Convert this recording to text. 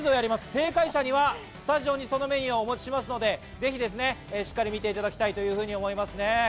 正解者にはスタジオにそのメニューをお持ちしますので、ぜひしっかり見ていただきたいというふうに思いますね。